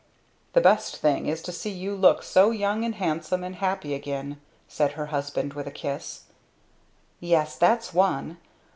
"The best thing is to see you look so young and handsome and happy again," said her husband, with a kiss. "Yes that's one.